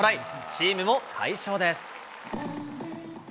チームも快勝です。